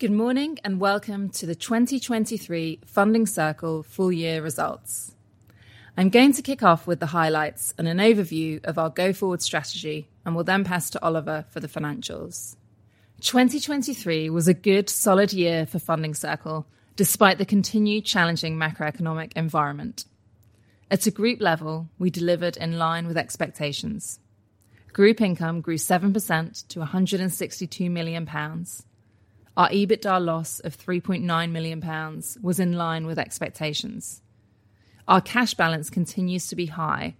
Good morning and welcome to the 2023 Funding Circle full year results. I'm going to kick off with the highlights and an overview of our go-forward strategy, and we'll then pass to Oliver for the financials. 2023 was a good, solid year for Funding Circle despite the continued challenging macroeconomic environment. At a group level, we delivered in line with expectations. Group income grew 7% to 162 million pounds. Our EBITDA loss of 3.9 million pounds was in line with expectations. Our cash balance continues to be high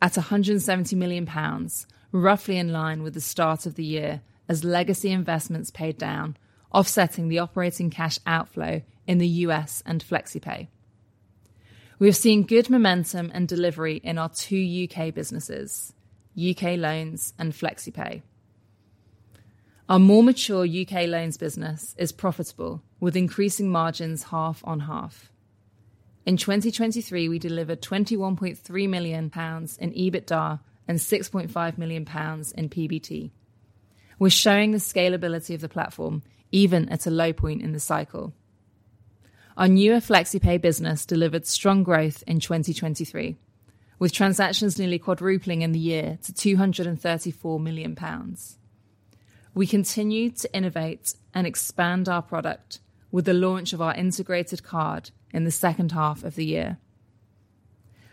at 170 million pounds, roughly in line with the start of the year as legacy investments paid down, offsetting the operating cash outflow in the US and FlexiPay. We have seen good momentum and delivery in our two UK businesses, UK Loans and FlexiPay. Our more mature UK Loans business is profitable with increasing margins half on half. In 2023, we delivered GBP 21.3 million in EBITDA and GBP 6.5 million in PBT. We're showing the scalability of the platform even at a low point in the cycle. Our newer FlexiPay business delivered strong growth in 2023 with transactions nearly quadrupling in the year to 234 million pounds. We continue to innovate and expand our product with the launch of our integrated card in the second half of the year.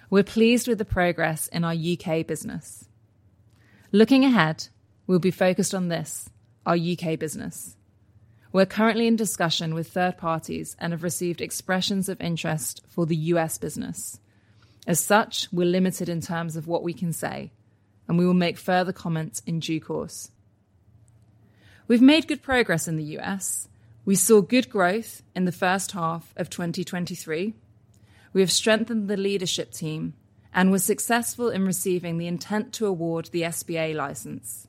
We're pleased with the progress in our U.K. business. Looking ahead, we'll be focused on this, our U.K. business. We're currently in discussion with third parties and have received expressions of interest for the U.S. business. As such, we're limited in terms of what we can say, and we will make further comments in due course. We've made good progress in the U.S. We saw good growth in the first half of 2023. We have strengthened the leadership team and were successful in receiving the intent to award the SBA license.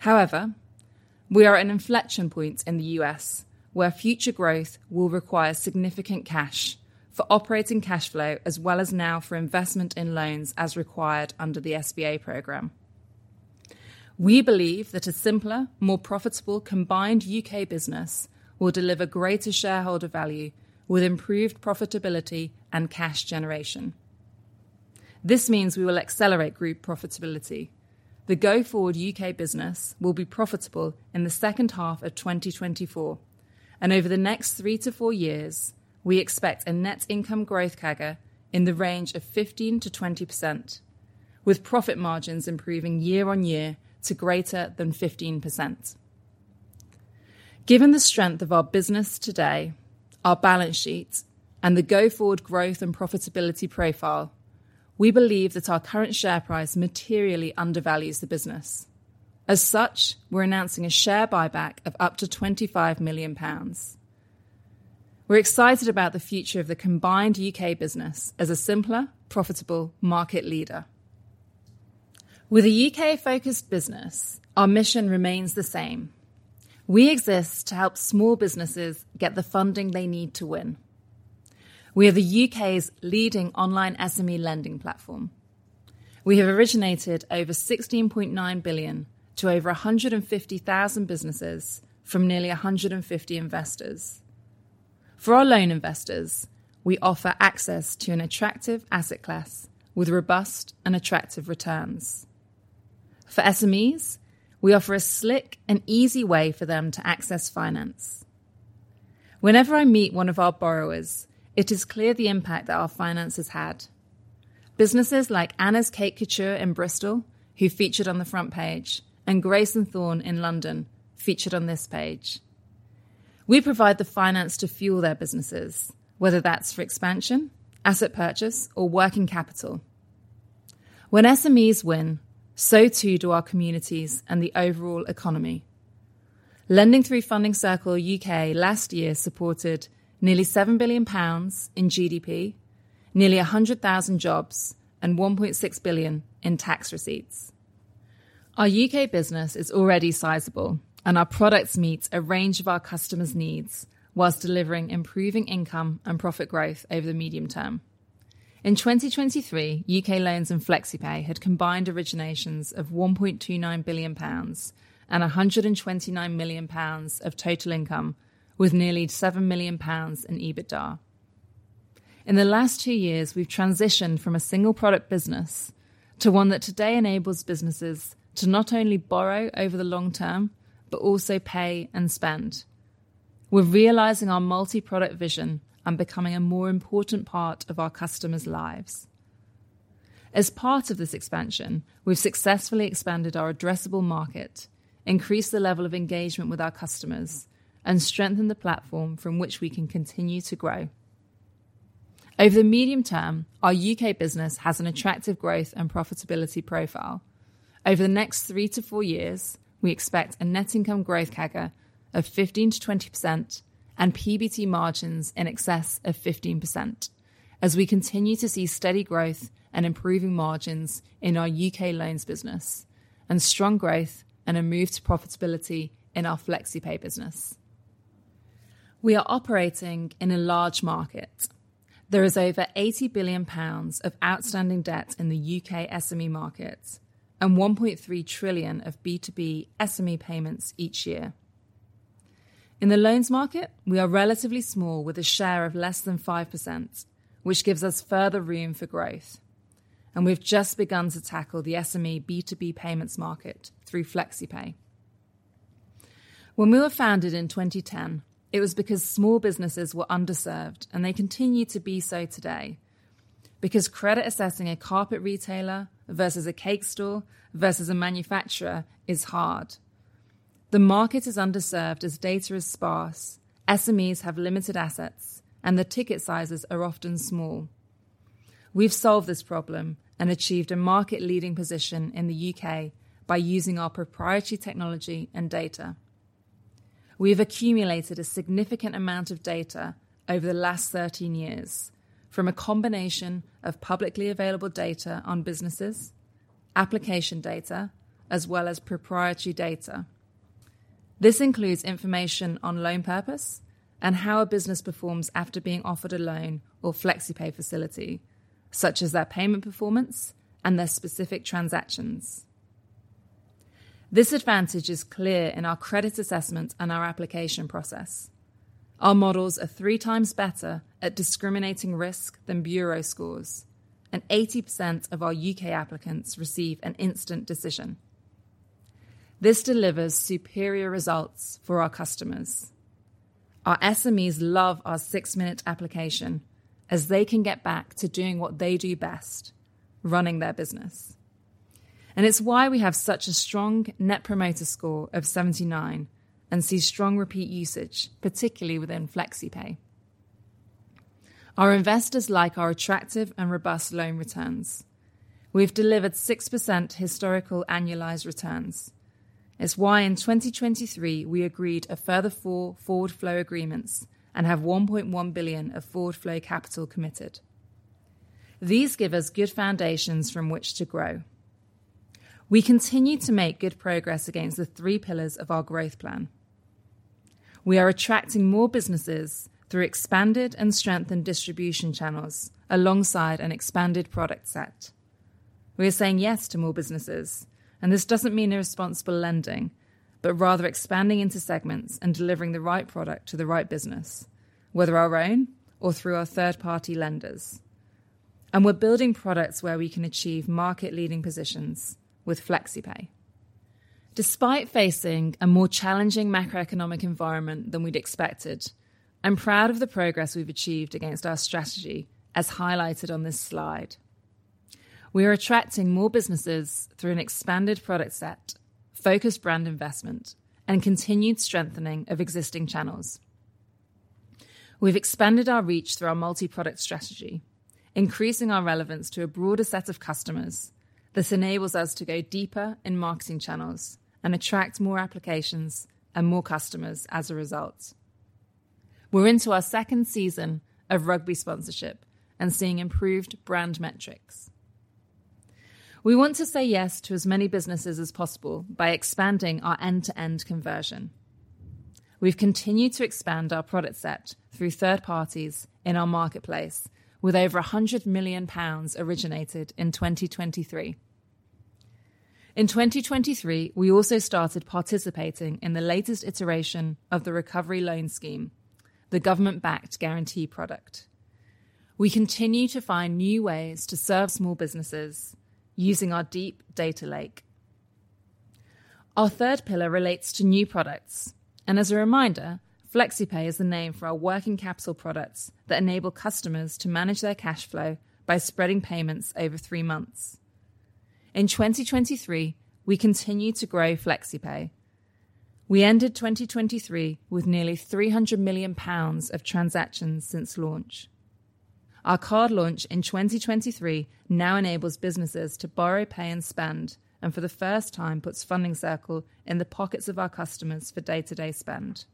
However, we are at an inflection point in the U.S. where future growth will require significant cash for operating cash flow as well as now for investment in loans as required under the SBA program. We believe that a simpler, more profitable combined U.K. business will deliver greater shareholder value with improved profitability and cash generation. This means we will accelerate group profitability. The go-forward U.K. business will be profitable in the second half of 2024, and over the next three to four years, we expect a net income growth CAGR in the range of 15%-20%, with profit margins improving year on year to greater than 15%. Given the strength of our business today, our balance sheet, and the go-forward growth and profitability profile, we believe that our current share price materially undervalues the business. As such, we're announcing a share buyback of up to 25 million pounds. We're excited about the future of the combined U.K. business as a simpler, profitable market leader. With a U.K.-focused business, our mission remains the same. We exist to help small businesses get the funding they need to win. We are the U.K.'s leading online SME lending platform. We have originated over 16.9 billion to over 150,000 businesses from nearly 150 investors. For our loan investors, we offer access to an attractive asset class with robust and attractive returns. For SMEs, we offer a slick and easy way for them to access finance. Whenever I meet one of our borrowers, it is clear the impact that our finance has had. Businesses like ANNA Cake Couture in Bristol, who featured on the front page, and Grace & Thorn in London, featured on this page. We provide the finance to fuel their businesses, whether that's for expansion, asset purchase, or working capital. When SMEs win, so too do our communities and the overall economy. Lending through Funding Circle UK last year supported nearly GBP 7 billion in GDP, nearly 100,000 jobs, and GBP 1.6 billion in tax receipts. Our UK business is already sizable, and our products meet a range of our customers' needs while delivering improving income and profit growth over the medium term. In 2023, UK Loans and FlexiPay had combined originations of 1.29 billion pounds and 129 million pounds of total income with nearly 7 million pounds in EBITDA. In the last two years, we've transitioned from a single product business to one that today enables businesses to not only borrow over the long term but also pay and spend. We're realizing our multi-product vision and becoming a more important part of our customers' lives. As part of this expansion, we've successfully expanded our addressable market, increased the level of engagement with our customers, and strengthened the platform from which we can continue to grow. Over the medium term, our UK business has an attractive growth and profitability profile. Over the next three to four years, we expect a net income growth CAGR of 15%-20% and PBT margins in excess of 15% as we continue to see steady growth and improving margins in our UK Loans business and strong growth and a move to profitability in our FlexiPay business. We are operating in a large market. There is over 80 billion pounds of outstanding debt in the UK SME market and 1.3 trillion of B2B SME payments each year. In the loans market, we are relatively small with a share of less than 5%, which gives us further room for growth. We've just begun to tackle the SME B2B payments market through FlexiPay. When we were founded in 2010, it was because small businesses were underserved and they continue to be so today because credit assessing a carpet retailer versus a cake store versus a manufacturer is hard. The market is underserved as data is sparse, SMEs have limited assets, and the ticket sizes are often small. We've solved this problem and achieved a market-leading position in the UK by using our proprietary technology and data. We've accumulated a significant amount of data over the last 13 years from a combination of publicly available data on businesses, application data, as well as proprietary data. This includes information on loan purpose and how a business performs after being offered a loan or FlexiPay facility, such as their payment performance and their specific transactions. This advantage is clear in our credit assessment and our application process. Our models are three times better at discriminating risk than bureau scores, and 80% of our UK applicants receive an instant decision. This delivers superior results for our customers. Our SMEs love our six-minute application as they can get back to doing what they do best, running their business. And it's why we have such a strong Net Promoter Score of 79 and see strong repeat usage, particularly within FlexiPay. Our investors like our attractive and robust loan returns. We've delivered 6% historical annualized returns. It's why in 2023, we agreed a further four forward flow agreements and have 1.1 billion of forward flow capital committed. These give us good foundations from which to grow. We continue to make good progress against the three pillars of our growth plan. We are attracting more businesses through expanded and strengthened distribution channels alongside an expanded product set. We are saying yes to more businesses, and this doesn't mean irresponsible lending, but rather expanding into segments and delivering the right product to the right business, whether our own or through our third-party lenders. And we're building products where we can achieve market-leading positions with FlexiPay. Despite facing a more challenging macroeconomic environment than we'd expected, I'm proud of the progress we've achieved against our strategy, as highlighted on this slide. We are attracting more businesses through an expanded product set, focused brand investment, and continued strengthening of existing channels. We've expanded our reach through our multi-product strategy, increasing our relevance to a broader set of customers. This enables us to go deeper in marketing channels and attract more applications and more customers as a result. We're into our second season of rugby sponsorship and seeing improved brand metrics. We want to say yes to as many businesses as possible by expanding our end-to-end conversion. We've continued to expand our product set through third parties in our marketplace with over 100 million pounds originated in 2023. In 2023, we also started participating in the latest iteration of the Recovery Loan Scheme, the government-backed guarantee product. We continue to find new ways to serve small businesses using our deep data lake. Our third pillar relates to new products. As a reminder, FlexiPay is the name for our working capital products that enable customers to manage their cash flow by spreading payments over three months. In 2023, we continue to grow FlexiPay. We ended 2023 with nearly 300 million pounds of transactions since launch. Our card launch in 2023 now enables businesses to borrow, pay, and spend, and for the first time, puts Funding Circle in the pockets of our customers for day-to-day spend.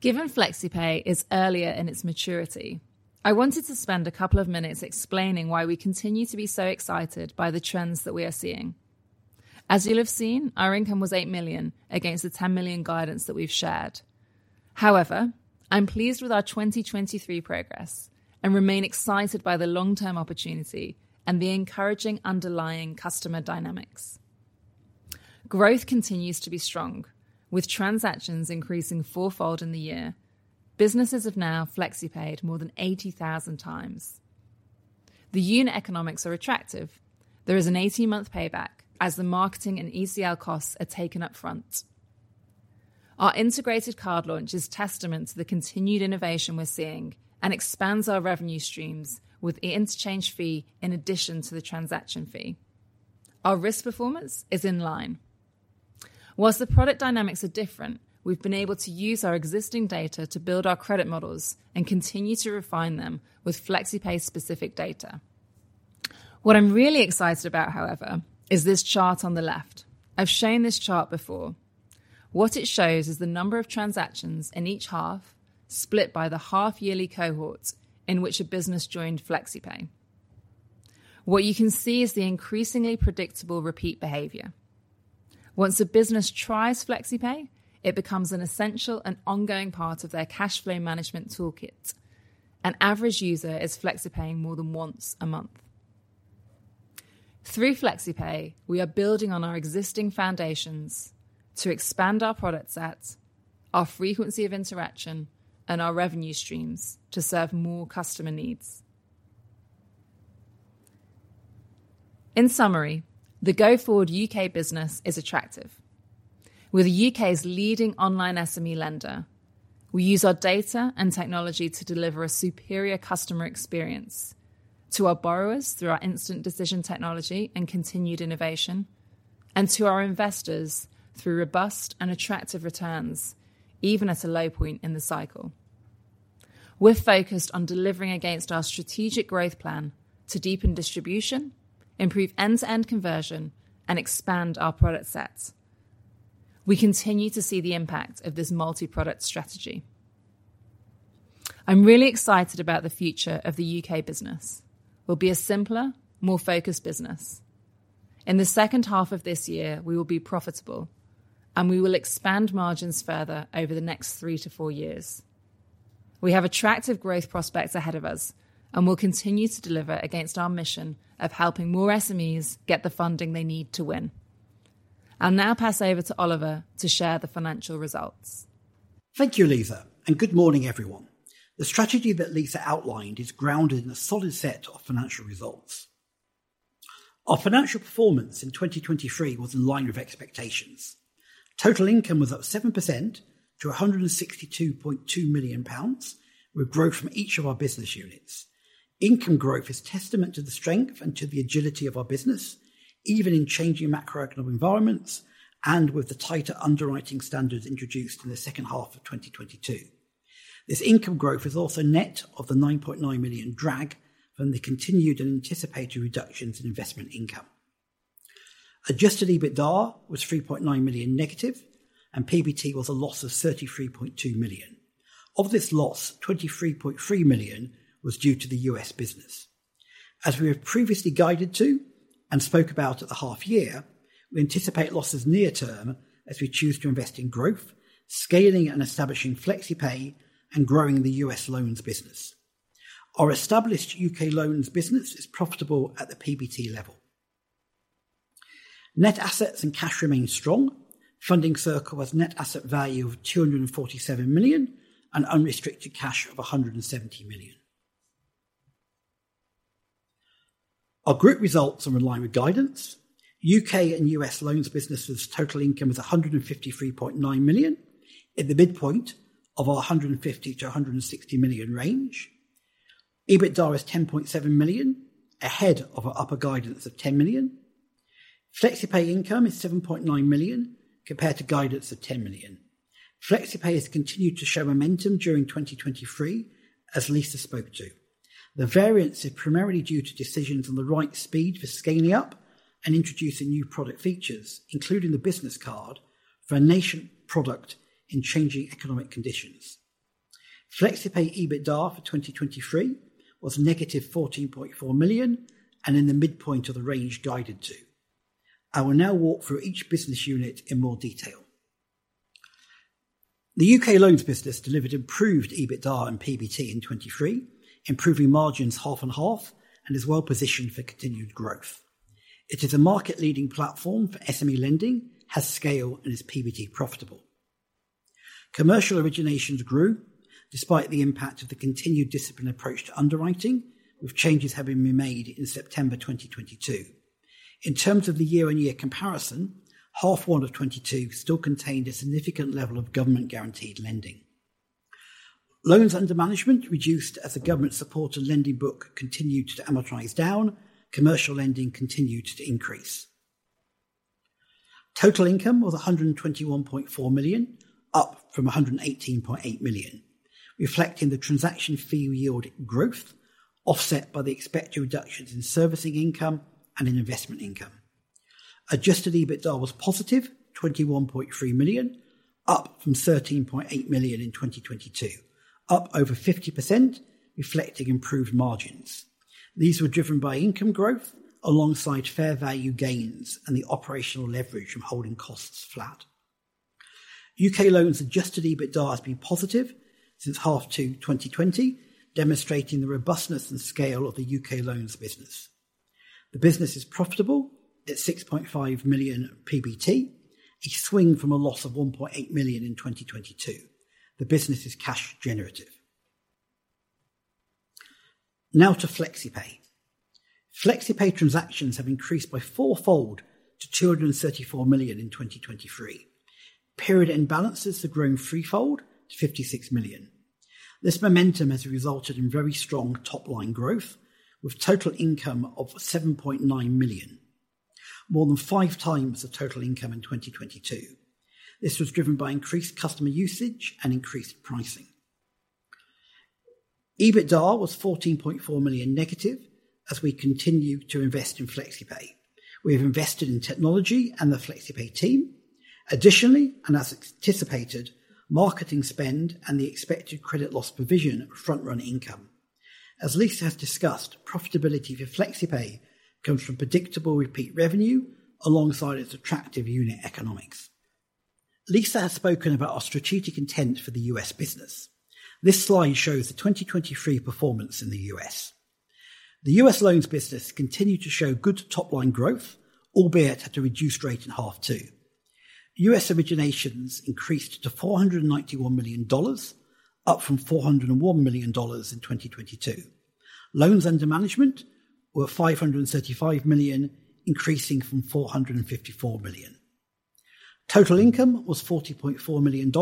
Given FlexiPay is earlier in its maturity, I wanted to spend a couple of minutes explaining why we continue to be so excited by the trends that we are seeing. As you'll have seen, our income was 8 million against the 10 million guidance that we've shared. However, I'm pleased with our 2023 progress and remain excited by the long-term opportunity and the encouraging underlying customer dynamics. Growth continues to be strong with transactions increasing fourfold in the year. Businesses have now FlexiPaid more than 80,000 times. The unit economics are attractive. There is an 18-month payback as the marketing and ECL costs are taken up front. Our integrated card launch is testament to the continued innovation we're seeing and expands our revenue streams with the interchange fee in addition to the transaction fee. Our risk performance is in line. While the product dynamics are different, we've been able to use our existing data to build our credit models and continue to refine them with FlexiPay-specific data. What I'm really excited about, however, is this chart on the left. I've shown this chart before. What it shows is the number of transactions in each half split by the half-yearly cohorts in which a business joined FlexiPay. What you can see is the increasingly predictable repeat behavior. Once a business tries FlexiPay, it becomes an essential and ongoing part of their cash flow management toolkit. An average user is FlexiPaying more than once a month. Through FlexiPay, we are building on our existing foundations to expand our product set, our frequency of interaction, and our revenue streams to serve more customer needs. In summary, the go-forward UK business is attractive. With the UK's leading online SME lender, we use our data and technology to deliver a superior customer experience to our borrowers through our instant decision technology and continued innovation, and to our investors through robust and attractive returns, even at a low point in the cycle. We're focused on delivering against our strategic growth plan to deepen distribution, improve end-to-end conversion, and expand our product set. We continue to see the impact of this multi-product strategy. I'm really excited about the future of the UK business. We'll be a simpler, more focused business. In the second half of this year, we will be profitable, and we will expand margins further over the next three-four years. We have attractive growth prospects ahead of us, and we'll continue to deliver against our mission of helping more SMEs get the funding they need to win. I'll now pass over to Oliver to share the financial results. Thank you, Lisa, and good morning, everyone. The strategy that Lisa outlined is grounded in a solid set of financial results. Our financial performance in 2023 was in line with expectations. Total income was up 7% to 162.2 million pounds with growth from each of our business units. Income growth is testament to the strength and to the agility of our business, even in changing macroeconomic environments and with the tighter underwriting standards introduced in the second half of 2022. This income growth is also net of the 9.9 million drag from the continued and anticipated reductions in investment income. Adjusted EBITDA was 3.9 million, and PBT was a loss of 33.2 million. Of this loss, 23.3 million was due to the US business. As we have previously guided to and spoke about at the half-year, we anticipate losses near-term as we choose to invest in growth, scaling and establishing FlexiPay, and growing the US Loans business. Our established UK Loans business is profitable at the PBT level. Net assets and cash remain strong. Funding Circle has net asset value of 247 million and unrestricted cash of 170 million. Our group results are in line with guidance. UK and US Loans businesses total income is 153.9 million, in the midpoint of our 150-160 million range. EBITDA 10.7 million, ahead of our upper guidance of 10 million. FlexiPay income is 7.9 million compared to guidance of 10 million. FlexiPay has continued to show momentum during 2023, as Lisa spoke to. The variance is primarily due to decisions on the right speed for scaling up and introducing new product features, including the business card, FlexiPay, in changing economic conditions. FlexiPay EBITDA for 2023 was negative 14.4 million and in the midpoint of the range guided to. I will now walk through each business unit in more detail. The UK Loans business delivered improved EBITDA and PBT in 2023, improving margins in H1 and H2, and is well positioned for continued growth. It is a market-leading platform for SME lending, has scale, and is PBT profitable. Commercial originations grew despite the impact of the continued disciplined approach to underwriting, with changes having been made in September 2022. In terms of the year-on-year comparison, H1 of 2022 still contained a significant level of government-guaranteed lending. Loans under management reduced as the government-supported lending book continued to amortize down, commercial lending continued to increase. Total income was 121.4 million, up from 118.8 million, reflecting the transaction fee yield growth offset by the expected reductions in servicing income and in investment income. Adjusted EBITDA was positive 21.3 million, up from 13.8 million in 2022, up over 50%, reflecting improved margins. These were driven by income growth alongside fair value gains and the operational leverage from holding costs flat. UK Loans adjusted EBITDA has been positive since half-2 2020, demonstrating the robustness and scale of the UK Loans business. The business is profitable at 6.5 million PBT, a swing from a loss of 1.8 million in 2022. The business is cash generative. Now to FlexiPay. FlexiPay transactions have increased by fourfold to 234 million in 2023. Period end balances are growing threefold to 56 million. This momentum has resulted in very strong top-line growth with total income of 7.9 million, more than 5 times the total income in 2022. This was driven by increased customer usage and increased pricing. EBITDA was - 14.4 million as we continue to invest in FlexiPay. We have invested in technology and the FlexiPay team. Additionally, and as anticipated, marketing spend and the expected credit loss provision at front-run income. As Lisa has discussed, profitability for FlexiPay comes from predictable repeat revenue alongside its attractive unit economics. Lisa has spoken about our strategic intent for the U.S. business. This slide shows the 2023 performance in the U.S. The U.S. Loans business continued to show good top-line growth, albeit at a reduced rate in H2. U.S. originations increased to $491 million, up from $401 million in 2022. Loans under management were 535 million, increasing from 454 million. Total income was $40.4 million,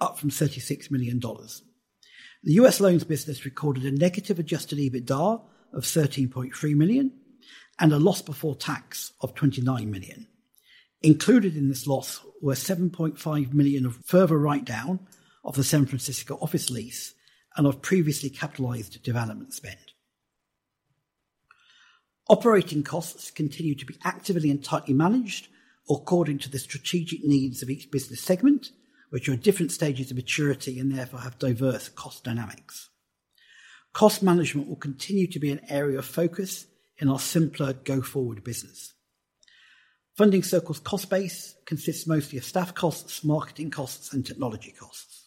up from $36 million. The U.S. Loans business recorded a negative adjusted EBITDA of $13.3 million and a loss before tax of $29 million. Included in this loss were $7.5 million further write-down of the San Francisco office lease and of previously capitalized development spend. Operating costs continue to be actively and tightly managed according to the strategic needs of each business segment, which are at different stages of maturity and therefore have diverse cost dynamics. Cost management will continue to be an area of focus in our simpler go-forward business. Funding Circle's cost base consists mostly of staff costs, marketing costs, and technology costs.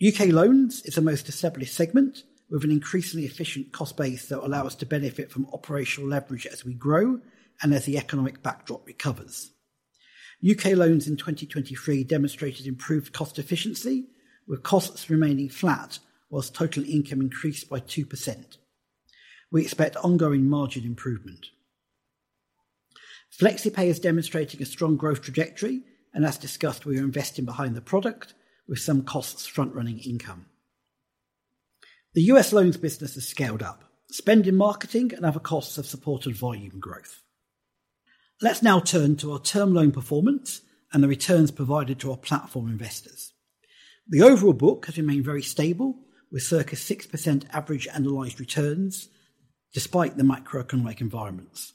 U.K. Loans is the most established segment with an increasingly efficient cost base that allows us to benefit from operational leverage as we grow and as the economic backdrop recovers. UK Loans in 2023 demonstrated improved cost efficiency, with costs remaining flat while total income increased by 2%. We expect ongoing margin improvement. FlexiPay is demonstrating a strong growth trajectory, and as discussed, we are investing behind the product with some costs front-running income. The US Loans business has scaled up. Spend in marketing and other costs have supported volume growth. Let's now turn to our term loan performance and the returns provided to our platform investors. The overall book has remained very stable, with circa 6% average analyzed returns despite the macroeconomic environments.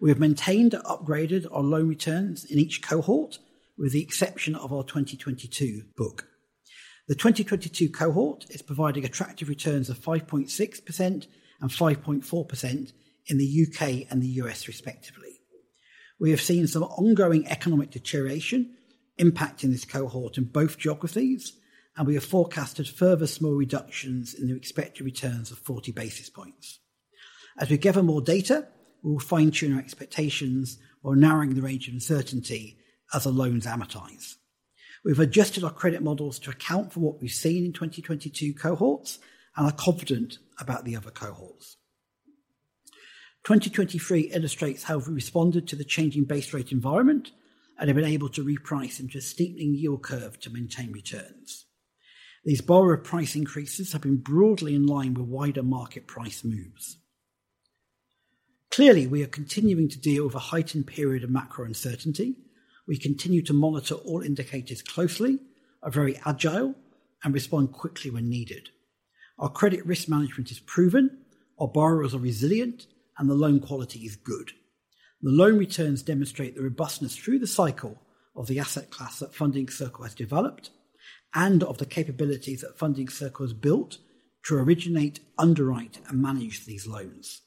We have maintained and upgraded our loan returns in each cohort, with the exception of our 2022 book. The 2022 cohort is providing attractive returns of 5.6% and 5.4% in the UK and the US, respectively. We have seen some ongoing economic deterioration impacting this cohort in both geographies, and we have forecasted further small reductions in the expected returns of 40 basis points. As we gather more data, we will fine-tune our expectations while narrowing the range of uncertainty as our loans amortize. We've adjusted our credit models to account for what we've seen in 2022 cohorts and are confident about the other cohorts. 2023 illustrates how we've responded to the changing base rate environment and have been able to reprice into a steepening yield curve to maintain returns. These borrower price increases have been broadly in line with wider market price moves. Clearly, we are continuing to deal with a heightened period of macro uncertainty. We continue to monitor all indicators closely, are very agile, and respond quickly when needed. Our credit risk management is proven. Our borrowers are resilient, and the loan quality is good. The loan returns demonstrate the robustness through the cycle of the asset class that Funding Circle has developed and of the capabilities that Funding Circle has built to originate, underwrite, and manage these loans.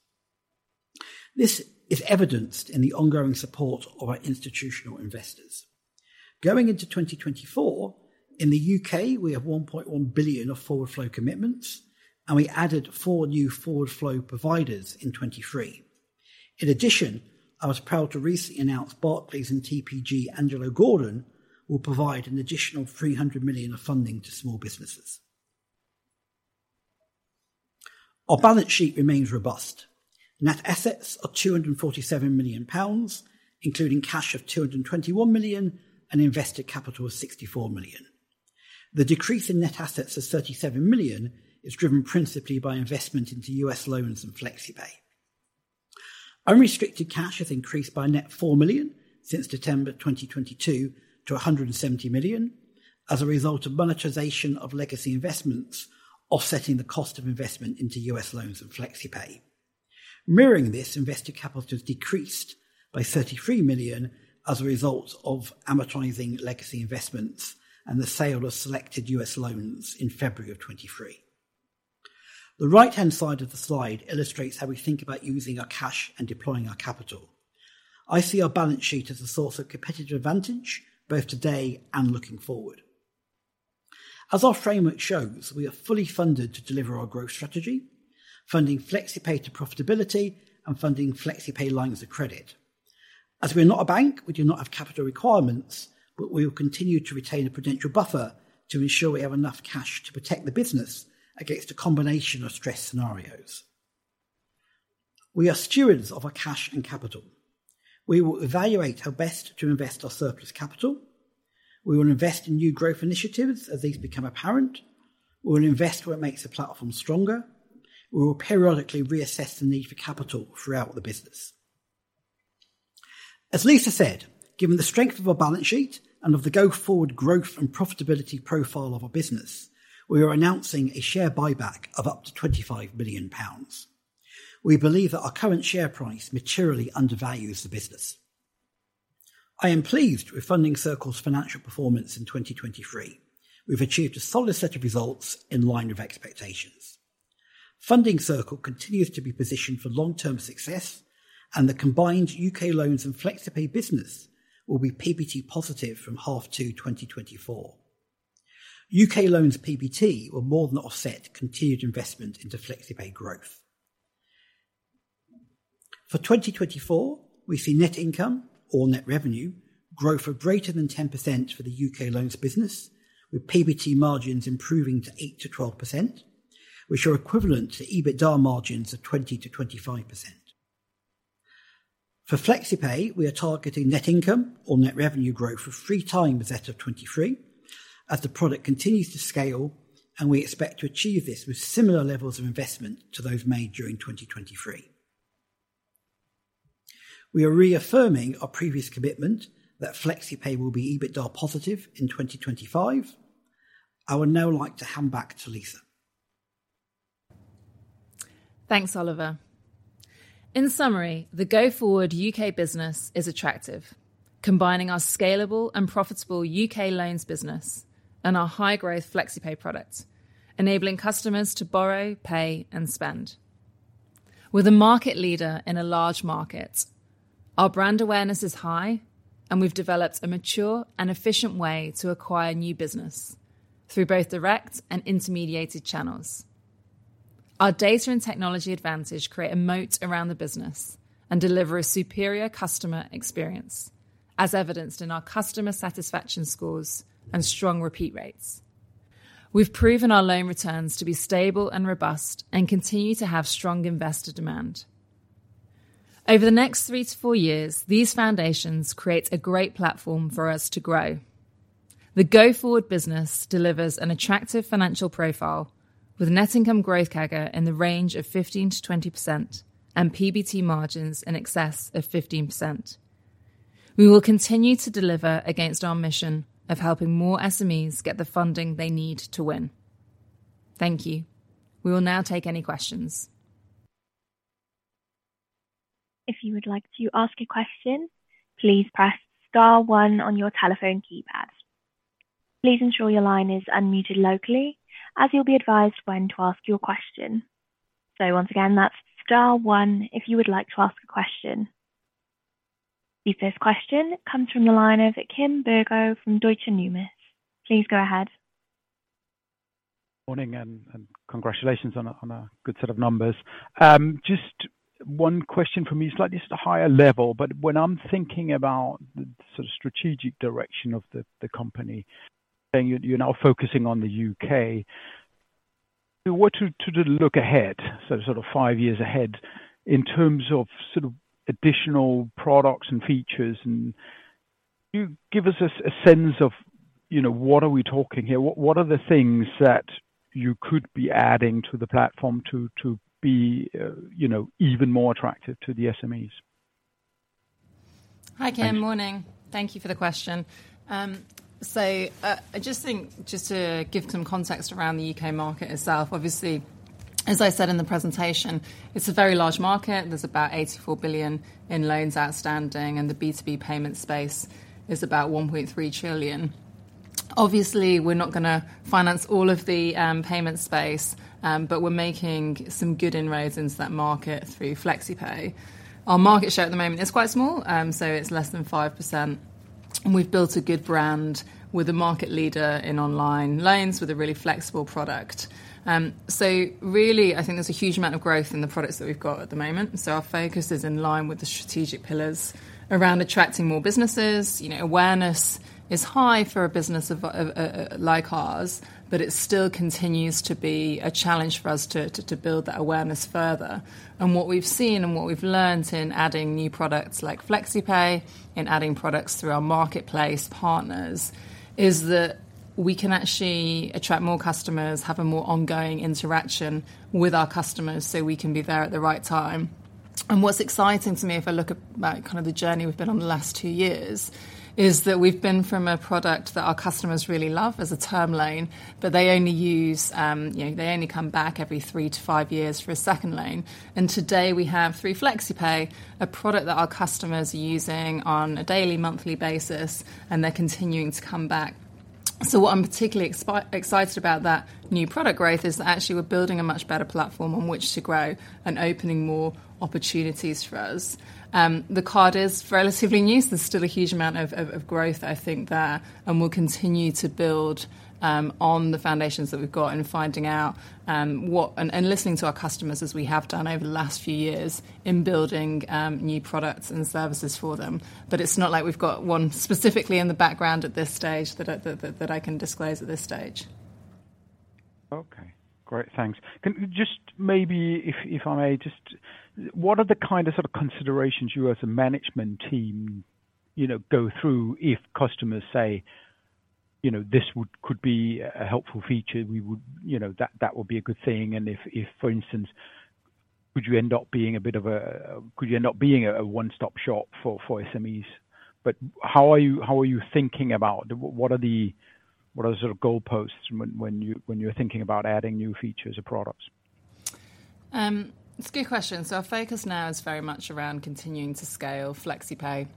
This is evidenced in the ongoing support of our institutional investors. Going into 2024, in the U.K., we have 1.1 billion of forward flow commitments, and we added four new forward flow providers in 2023. In addition, I was proud to recently announce Barclays and TPG Angelo Gordon will provide an additional 300 million of funding to small businesses. Our balance sheet remains robust. Net assets are 247 million pounds, including cash of 221 million and invested capital of 64 million. The decrease in net assets of 37 million is driven principally by investment into U.S. Loans and FlexiPay. Unrestricted cash has increased by net 4 million since December 2022 to 170 million as a result of monetization of legacy investments, offsetting the cost of investment into US Loans and FlexiPay. Mirroring this, invested capital has decreased by 33 million as a result of amortizing legacy investments and the sale of selected US Loans in February of 2023. The right-hand side of the slide illustrates how we think about using our cash and deploying our capital. I see our balance sheet as a source of competitive advantage both today and looking forward. As our framework shows, we are fully funded to deliver our growth strategy, funding FlexiPay to profitability and funding FlexiPay lines of credit. As we are not a bank, we do not have capital requirements, but we will continue to retain a prudential buffer to ensure we have enough cash to protect the business against a combination of stress scenarios. We are stewards of our cash and capital. We will evaluate how best to invest our surplus capital. We will invest in new growth initiatives as these become apparent. We will invest where it makes the platform stronger. We will periodically reassess the need for capital throughout the business. As Lisa said, given the strength of our balance sheet and of the go-forward growth and profitability profile of our business, we are announcing a share buyback of up to 25 million pounds. We believe that our current share price materially undervalues the business. I am pleased with Funding Circle's financial performance in 2023. We've achieved a solid set of results in line with expectations. Funding Circle continues to be positioned for long-term success, and the combined UK Loans and FlexiPay business will be PBT positive from H2 2024. UK Loans PBT will more than offset continued investment into FlexiPay growth. For 2024, we see net income or net revenue growth of greater than 10% for the UK Loans business, with PBT margins improving to 8%-12%, which are equivalent to EBITDA margins of 20%-25%. For FlexiPay, we are targeting net income or net revenue growth of 3x that of 2023 as the product continues to scale, and we expect to achieve this with similar levels of investment to those made during 2023. We are reaffirming our previous commitment that FlexiPay will be EBITDA positive in 2025. I would now like to hand back to Lisa. Thanks, Oliver. In summary, the go-forward UK business is attractive, combining our scalable and profitable UK Loans business and our high-growth FlexiPay product, enabling customers to borrow, pay, and spend. We're the market leader in a large market. Our brand awareness is high, and we've developed a mature and efficient way to acquire new business through both direct and intermediated channels. Our data and technology advantage create a moat around the business and deliver a superior customer experience, as evidenced in our customer satisfaction scores and strong repeat rates. We've proven our loan returns to be stable and robust and continue to have strong investor demand. Over the next three to four years, these foundations create a great platform for us to grow. The go-forward business delivers an attractive financial profile with net income growth CAGR in the range of 15%-20% and PBT margins in excess of 15%. We will continue to deliver against our mission of helping more SMEs get the funding they need to win. Thank you. We will now take any questions. If you would like to ask a question, please press star one on your telephone keypad. Please ensure your line is unmuted locally as you'll be advised when to ask your question. So once again, that's star one if you would like to ask a question. This question comes from the line of Kim Bergoe from Deutsche Numis. Please go ahead. Morning and congratulations on a good set of numbers. Just one question from you, slightly higher level. But when I'm thinking about the strategic direction of the company, you're now focusing on the UK. What to look ahead, sort of five years ahead, in terms of additional products and features? And do you give us a sense of what are we talking here? What are the things that you could be adding to the platform to be even more attractive to the SMEs? Hi Kim, morning. Thank you for the question. So I just think just to give some context around the UK market itself. Obviously, as I said in the presentation, it's a very large market. There's about 84 billion in loans outstanding, and the B2B payment space is about 1.3 trillion. Obviously, we're not going to finance all of the payment space, but we're making some good inroads into that market through FlexiPay. Our market share at the moment is quite small, so it's less than 5%. And we've built a good brand with a market leader in online loans with a really flexible product. So really, I think there's a huge amount of growth in the products that we've got at the moment. So our focus is in line with the strategic pillars around attracting more businesses. Awareness is high for a business like ours, but it still continues to be a challenge for us to build that awareness further. What we've seen and what we've learned in adding new products like FlexiPay, in adding products through our marketplace partners, is that we can actually attract more customers, have a more ongoing interaction with our customers so we can be there at the right time. What's exciting to me, if I look at kind of the journey we've been on the last two years, is that we've been from a product that our customers really love as a term loan, but they only come back every three-five years for a second loan. Today we have through FlexiPay, a product that our customers are using on a daily, monthly basis, and they're continuing to come back. What I'm particularly excited about that new product growth is that actually we're building a much better platform on which to grow and opening more opportunities for us. The card is relatively new. There's still a huge amount of growth, I think, there, and we'll continue to build on the foundations that we've got in finding out what and listening to our customers, as we have done over the last few years, in building new products and services for them. But it's not like we've got one specifically in the background at this stage that I can disclose at this stage. Okay. Great. Thanks. Just maybe, if I may, just what are the kind of sort of considerations you as a management team go through if customers say, "This could be a helpful feature. That would be a good thing." And if, for instance, could you end up being a bit of a one-stop shop for SMEs? But how are you thinking about what are the sort of goalposts when you're thinking about adding new features or products? It's a good question. So our focus now is very much around continuing to scale FlexiPay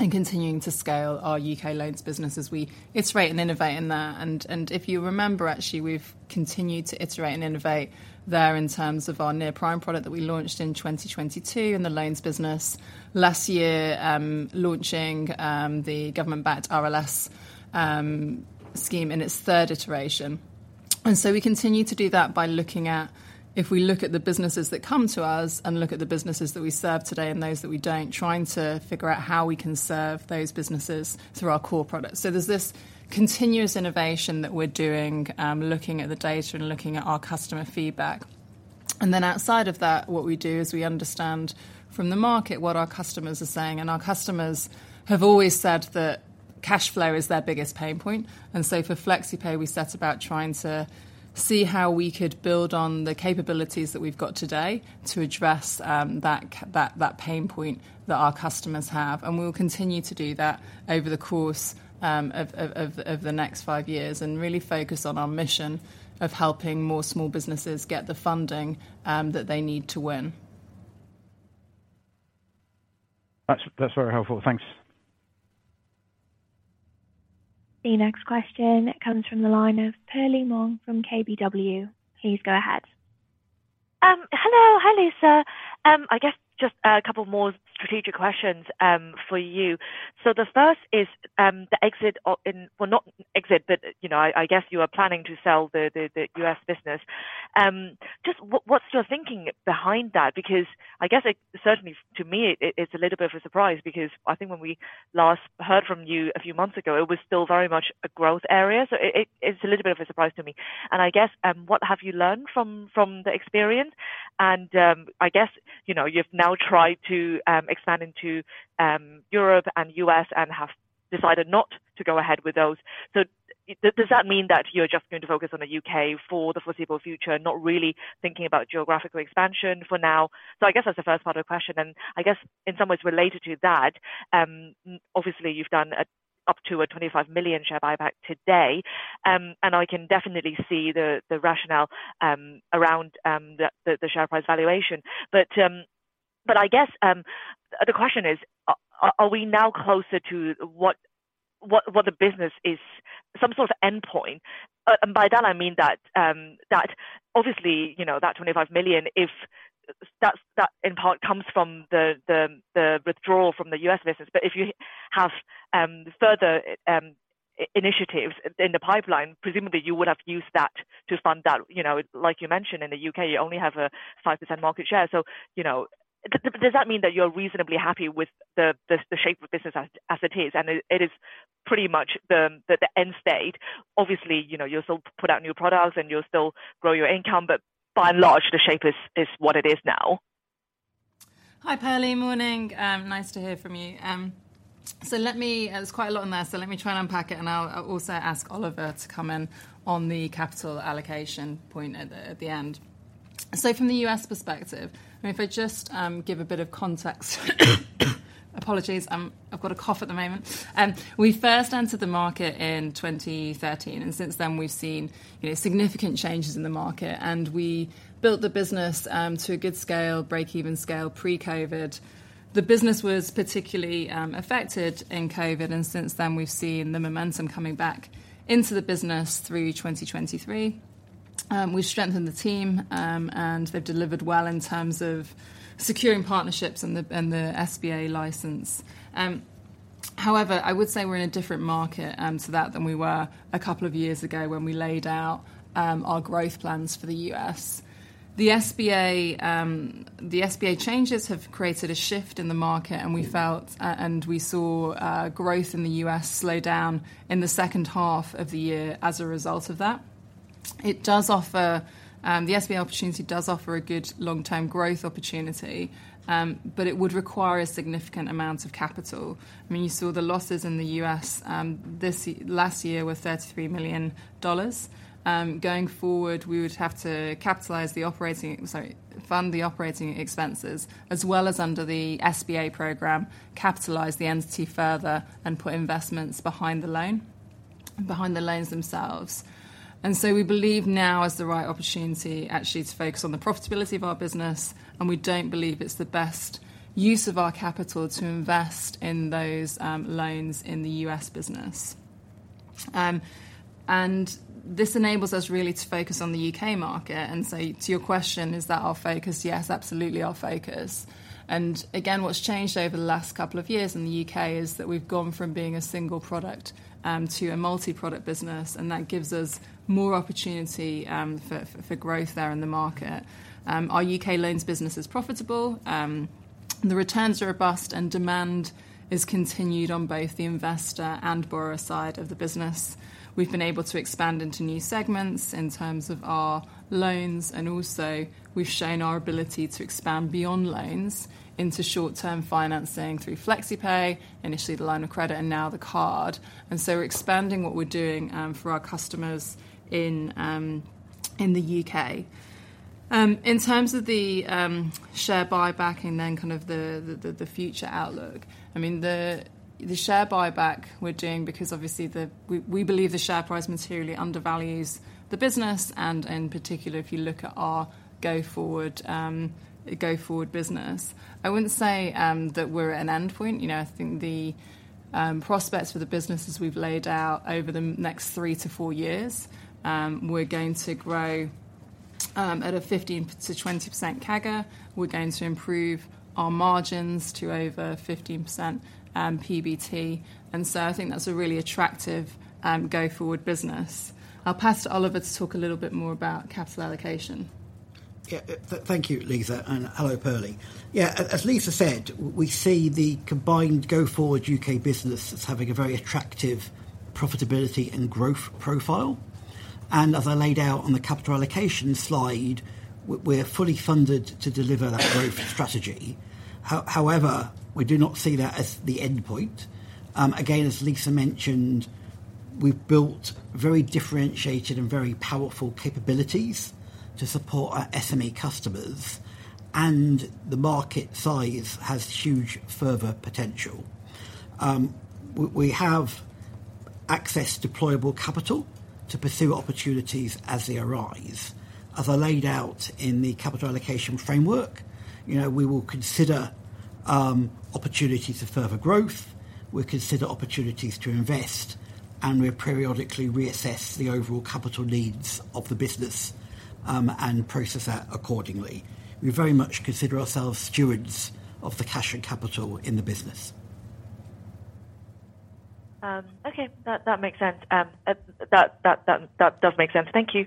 and continuing to scale our U.K. Loans business as we iterate and innovate in that. And if you remember, actually, we've continued to iterate and innovate there in terms of our near prime product that we launched in 2022 in the Loans business, last year launching the government-backed RLS scheme in its third iteration. And so we continue to do that by looking at if we look at the businesses that come to us and look at the businesses that we serve today and those that we don't, trying to figure out how we can serve those businesses through our core products. So there's this continuous innovation that we're doing, looking at the data and looking at our customer feedback. Then outside of that, what we do is we understand from the market what our customers are saying. Our customers have always said that cash flow is their biggest pain point. So for FlexiPay, we set about trying to see how we could build on the capabilities that we've got today to address that pain point that our customers have. We will continue to do that over the course of the next five years and really focus on our mission of helping more small businesses get the funding that they need to win. That's very helpful. Thanks. The next question comes from the line of Perlie Mong from KBW. Please go ahead. Hello. Hi, Lisa. I guess just a couple more strategic questions for you. So the first is the exit in well, not exit, but I guess you are planning to sell the U.S. business. Just what's your thinking behind that? Because I guess certainly, to me, it's a little bit of a surprise because I think when we last heard from you a few months ago, it was still very much a growth area. So it's a little bit of a surprise to me. And I guess what have you learned from the experience? And I guess you've now tried to expand into Europe and U.S. and have decided not to go ahead with those. So does that mean that you're just going to focus on the U.K. for the foreseeable future, not really thinking about geographical expansion for now? So I guess that's the first part of the question. And I guess in some ways related to that, obviously, you've done up to a 25 million share buyback today. And I can definitely see the rationale around the share price valuation. But I guess the question is, are we now closer to what the business is some sort of endpoint? And by that, I mean that obviously, that 25 million, if that in part comes from the withdrawal from the U.S. business, but if you have further initiatives in the pipeline, presumably you would have used that to fund that. Like you mentioned, in the U.K., you only have a 5% market share. So does that mean that you're reasonably happy with the shape of business as it is? And it is pretty much the end state. Obviously, you'll still put out new products and you'll still grow your income, but by and large, the shape is what it is now. Hi, Perlie. Morning. Nice to hear from you. So there's quite a lot in there. So let me try and unpack it, and I'll also ask Oliver to come in on the capital allocation point at the end. So from the U.S. perspective, I mean, if I just give a bit of context apologies, I've got a cough at the moment. We first entered the market in 2013, and since then, we've seen significant changes in the market. And we built the business to a good scale, break-even scale pre-COVID. The business was particularly affected in COVID, and since then, we've seen the momentum coming back into the business through 2023. We've strengthened the team, and they've delivered well in terms of securing partnerships and the SBA license. However, I would say we're in a different market to that than we were a couple of years ago when we laid out our growth plans for the U.S. The SBA changes have created a shift in the market, and we saw growth in the U.S. slow down in the second half of the year as a result of that. The SBA opportunity does offer a good long-term growth opportunity, but it would require a significant amount of capital. I mean, you saw the losses in the U.S. last year were $33 million. Going forward, we would have to capitalize the operating sorry, fund the operating expenses as well as under the SBA program, capitalize the entity further and put investments behind the loans themselves. We believe now is the right opportunity, actually, to focus on the profitability of our business, and we don't believe it's the best use of our capital to invest in those loans in the U.S. business. This enables us really to focus on the U.K. market. So to your question, is that our focus? Yes, absolutely our focus. Again, what's changed over the last couple of years in the U.K. is that we've gone from being a single product to a multi-product business, and that gives us more opportunity for growth there in the market. Our U.K. Loans business is profitable. The returns are robust, and demand is continued on both the investor and borrower side of the business. We've been able to expand into new segments in terms of our loans, and also we've shown our ability to expand beyond loans into short-term financing through FlexiPay, initially the line of credit, and now the card. And so we're expanding what we're doing for our customers in the UK. In terms of the share buyback and then kind of the future outlook, I mean, the share buyback we're doing because obviously, we believe the share price materially undervalues the business, and in particular, if you look at our go-forward business, I wouldn't say that we're at an endpoint. I think the prospects for the business as we've laid out over the next 3-4 years, we're going to grow at a 15%-20% CAGR. We're going to improve our margins to over 15% PBT. And so I think that's a really attractive go-forward business. I'll pass to Oliver to talk a little bit more about capital allocation. Yeah. Thank you, Lisa. Hello, Perlie. Yeah. As Lisa said, we see the combined go-forward UK business as having a very attractive profitability and growth profile. As I laid out on the capital allocation slide, we're fully funded to deliver that growth strategy. However, we do not see that as the endpoint. Again, as Lisa mentioned, we've built very differentiated and very powerful capabilities to support our SME customers, and the market size has huge further potential. We have access to deployable capital to pursue opportunities as they arise. As I laid out in the capital allocation framework, we will consider opportunities of further growth. We'll consider opportunities to invest, and we'll periodically reassess the overall capital needs of the business and process that accordingly. We very much consider ourselves stewards of the cash and capital in the business. Okay. That makes sense. That does make sense. Thank you.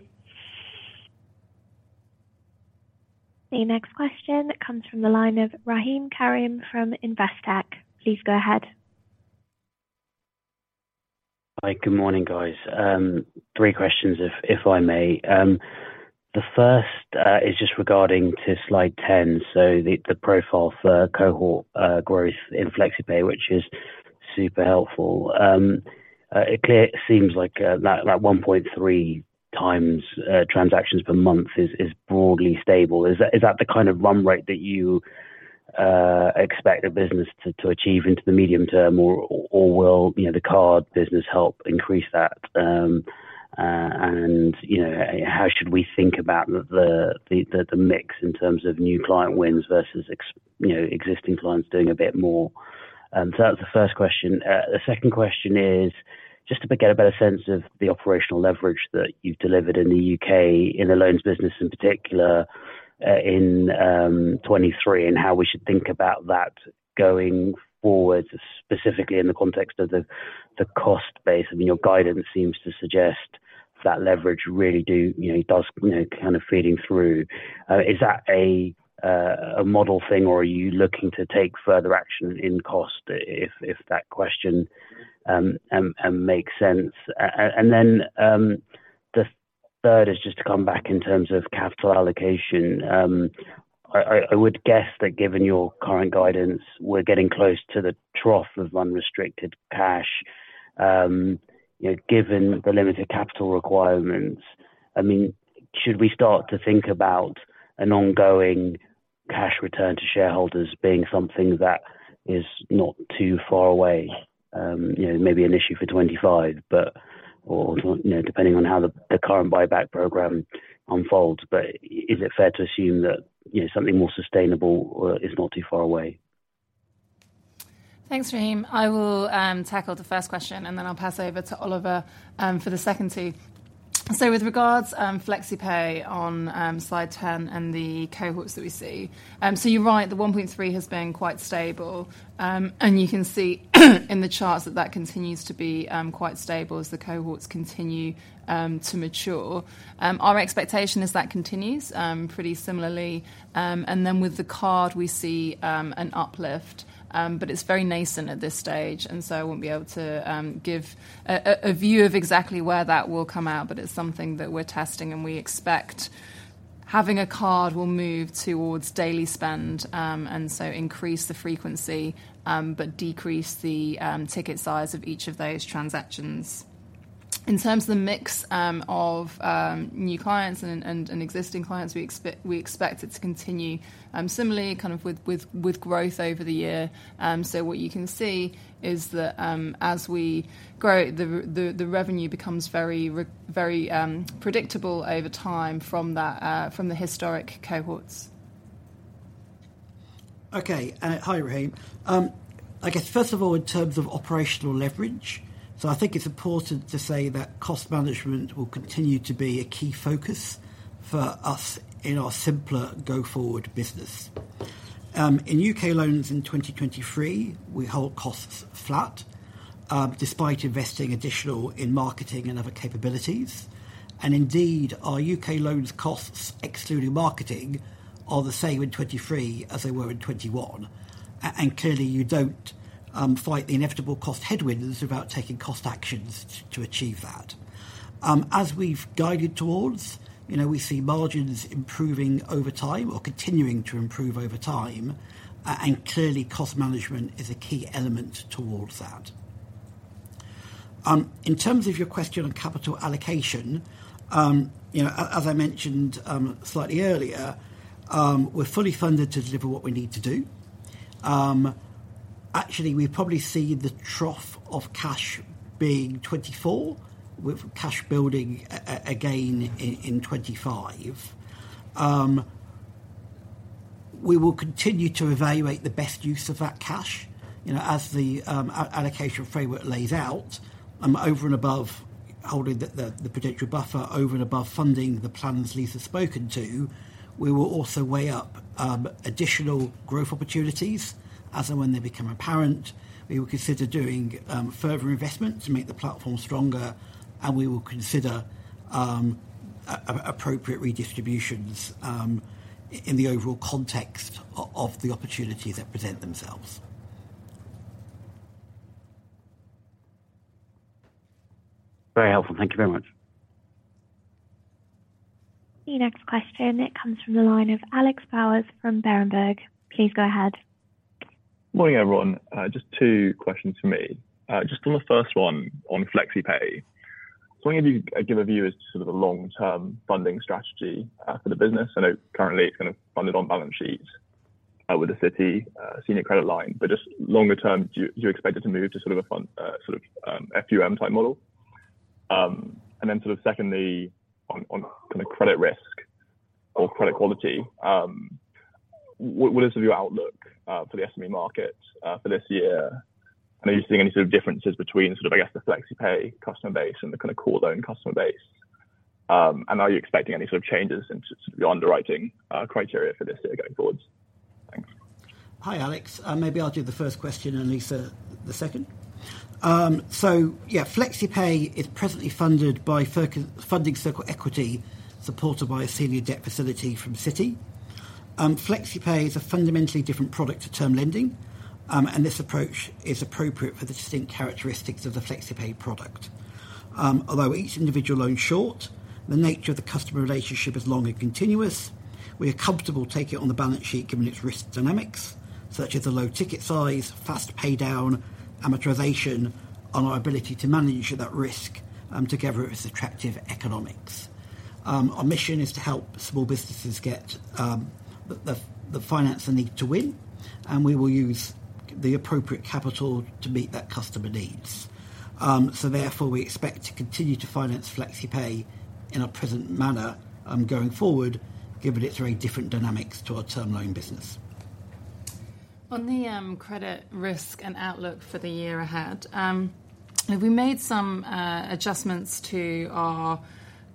The next question comes from the line of Rahim Karim from Investec. Please go ahead. Hi. Good morning, guys. Three questions, if I may. The first is just regarding to slide 10, so the profile for cohort growth in FlexiPay, which is super helpful. It seems like that 1.3 times transactions per month is broadly stable. Is that the kind of run rate that you expect a business to achieve into the medium term, or will the card business help increase that? And how should we think about the mix in terms of new client wins versus existing clients doing a bit more? So that's the first question. The second question is just to get a better sense of the operational leverage that you've delivered in the UK, in the Loans business in particular in 2023, and how we should think about that going forward, specifically in the context of the cost base. I mean, your guidance seems to suggest that leverage really does kind of feeding through. Is that a model thing, or are you looking to take further action in cost, if that question makes sense? And then the third is just to come back in terms of capital allocation. I would guess that given your current guidance, we're getting close to the trough of unrestricted cash. Given the limited capital requirements, I mean, should we start to think about an ongoing cash return to shareholders being something that is not too far away? Maybe an issue for 2025, depending on how the current buyback program unfolds. But is it fair to assume that something more sustainable is not too far away? Thanks, Rahim. I will tackle the first question, and then I'll pass over to Oliver for the second two. So with regards to FlexiPay on slide 10 and the cohorts that we see, so you're right, the 1.3 has been quite stable. And you can see in the charts that that continues to be quite stable as the cohorts continue to mature. Our expectation is that continues pretty similarly. And then with the card, we see an uplift, but it's very nascent at this stage. And so I won't be able to give a view of exactly where that will come out, but it's something that we're testing, and we expect having a card will move towards daily spend and so increase the frequency but decrease the ticket size of each of those transactions. In terms of the mix of new clients and existing clients, we expect it to continue similarly, kind of with growth over the year. So what you can see is that as we grow, the revenue becomes very predictable over time from the historic cohorts. Okay. Hi, Raheem. I guess, first of all, in terms of operational leverage, so I think it's important to say that cost management will continue to be a key focus for us in our simpler go-forward business. In UK Loans in 2023, we hold costs flat despite investing additional in marketing and other capabilities. And indeed, our UK Loans costs, excluding marketing, are the same in 2023 as they were in 2021. And clearly, you don't fight the inevitable cost headwinds without taking cost actions to achieve that. As we've guided towards, we see margins improving over time or continuing to improve over time. And clearly, cost management is a key element towards that. In terms of your question on capital allocation, as I mentioned slightly earlier, we're fully funded to deliver what we need to do. Actually, we probably see the trough of cash being 2024 with cash building again in 2025. We will continue to evaluate the best use of that cash as the allocation framework lays out. Holding the potential buffer over and above funding the plans Lisa's spoken to, we will also weigh up additional growth opportunities as and when they become apparent. We will consider doing further investment to make the platform stronger, and we will consider appropriate redistributions in the overall context of the opportunities that present themselves. Very helpful. Thank you very much. The next question, it comes from the line of Alex Bowers from Berenberg. Please go ahead. Morning, everyone. Just two questions for me. Just on the first one on FlexiPay, I wonder if you could give a view as to sort of a long-term funding strategy for the business. I know currently, it's kind of funded on balance sheets with the Citi senior credit line. But just longer term, do you expect it to move to sort of a sort of FUM-type model? And then sort of secondly, on kind of credit risk or credit quality, what is sort of your outlook for the SME market for this year? And are you seeing any sort of differences between sort of, I guess, the FlexiPay customer base and the kind of core loan customer base? And are you expecting any sort of changes in sort of your underwriting criteria for this year going forwards? Thanks. Hi, Alex. Maybe I'll do the first question and Lisa, the second. So yeah, FlexiPay is presently funded by Funding Circle Equity, supported by a senior debt facility from Citi. FlexiPay is a fundamentally different product to term lending, and this approach is appropriate for the distinct characteristics of the FlexiPay product. Although each individual loan is short, the nature of the customer relationship is long and continuous. We are comfortable taking it on the balance sheet given its risk dynamics, such as a low ticket size, fast paydown, amortization, and our ability to manage that risk together with attractive economics. Our mission is to help small businesses get the finance they need to win, and we will use the appropriate capital to meet that customer needs. So therefore, we expect to continue to finance FlexiPay in a present manner going forward, given its very different dynamics to our term loan business. On the credit risk and outlook for the year ahead, we made some adjustments to our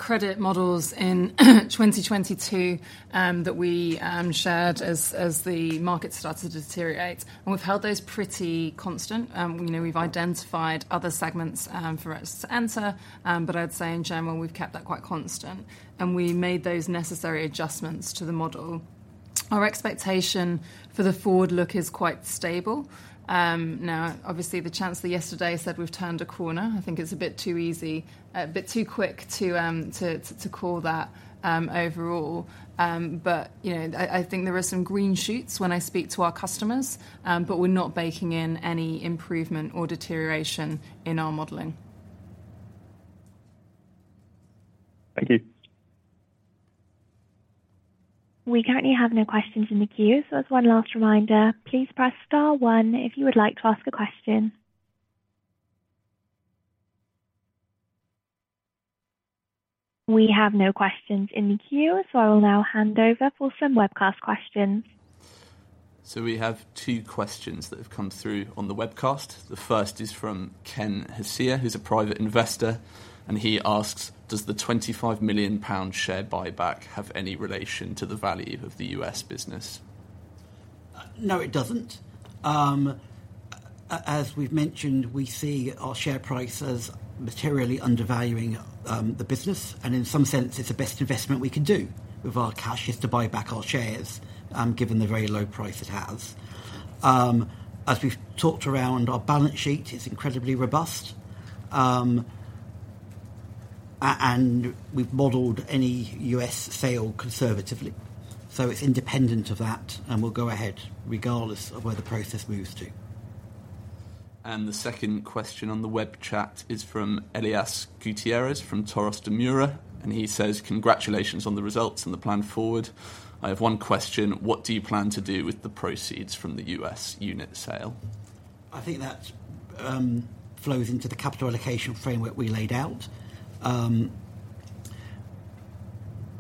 credit models in 2022 that we shared as the market started to deteriorate. We've held those pretty constant. We've identified other segments for us to enter, but I'd say in general, we've kept that quite constant. We made those necessary adjustments to the model. Our expectation for the forward look is quite stable. Now, obviously, the Chancellor yesterday said we've turned a corner. I think it's a bit too easy, a bit too quick to call that overall. I think there are some green shoots when I speak to our customers, but we're not baking in any improvement or deterioration in our modeling. Thank you. We currently have no questions in the queue, so as one last reminder, please press star one if you would like to ask a question. We have no questions in the queue, so I will now hand over for some webcast questions. We have two questions that have come through on the webcast. The first is from Ken Hessier, who's a private investor, and he asks, "Does the 25 million pound share buyback have any relation to the value of the U.S. business? No, it doesn't. As we've mentioned, we see our share price as materially undervaluing the business. In some sense, it's the best investment we can do with our cash is to buy back our shares given the very low price it has. As we've talked around, our balance sheet is incredibly robust, and we've modeled any U.S. sale conservatively. It's independent of that, and we'll go ahead regardless of where the process moves to. The second question on the web chat is from Elias Gutierrez from Torremira and he says, "Congratulations on the results and the plan forward. I have one question. What do you plan to do with the proceeds from the U.S. unit sale? I think that flows into the capital allocation framework we laid out.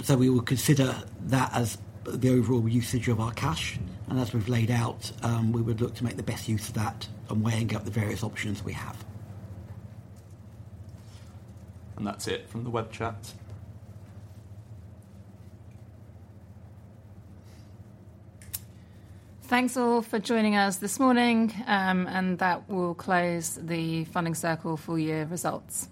We will consider that as the overall usage of our cash. As we've laid out, we would look to make the best use of that and weighing up the various options we have. That's it from the web chat. Thanks all for joining us this morning, and that will close the Funding Circle full year results.